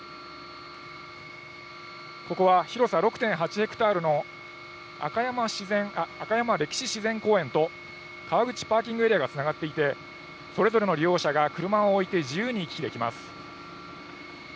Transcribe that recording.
ここは広さ６．８ヘクタールの赤山歴史自然公園と、川口パーキングエリアがつながっていて、それぞれの利用者が車を置いて、自由に行き来できます。